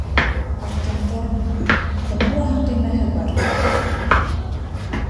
Артында... бына лаһаң төймәһе бар!